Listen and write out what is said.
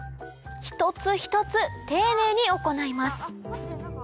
一つ一つ丁寧に行います